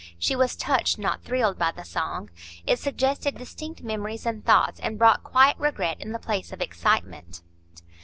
She was touched, not thrilled by the song; it suggested distinct memories and thoughts, and brought quiet regret in the place of excitement.